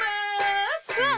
うわっ！